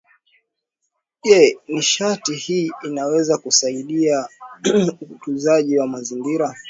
je nishati hii inaweza kusaidia utunzaji wa mazingira